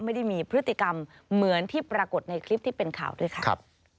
ไม่ได้มีพฤติกรรมเหมือนที่ปรากฏในคลิปที่เป็นข่าวด้วยค่ะ